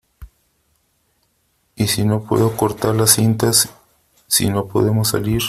¿ y si no puede cortar las cintas , si no podemos salir ?